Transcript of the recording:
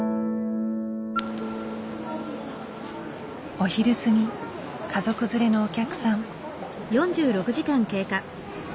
お昼過ぎ家族連れのお客さん。